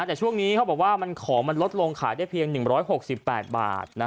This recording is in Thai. แต่ช่วงนี้เขาบอกว่าของมันลดลงขายได้เพียง๑๖๘บาท